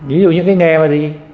ví dụ những cái nghề mà gì